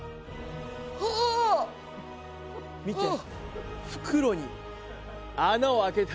見て。